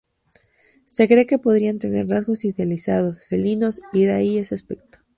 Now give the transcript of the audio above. Se cree que podrían tener rasgos idealizados, felinos, y de ahí ese aspecto.